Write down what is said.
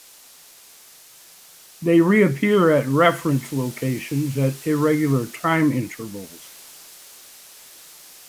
They reappear at referent locations at irregular time intervals.